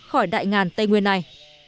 khỏi đại ngàn tây nguyên này